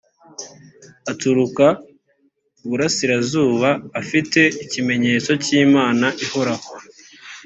aturuka burasirazuba afite ikimenyetso cy imana ihoraho